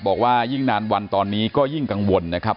บอกว่ายิ่งนานวันตอนนี้ก็ยิ่งกังวลนะครับ